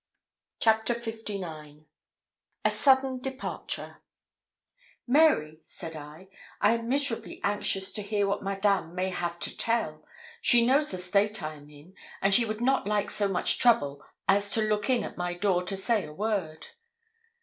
CHAPTER LIX A SUDDEN DEPARTURE 'Mary,' said I, 'I am miserably anxious to hear what Madame may have to tell; she knows the state I am in, and she would not like so much trouble as to look in at my door to say a word.